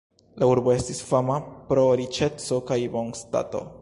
La urbo estis fama pro riĉeco kaj bonstato.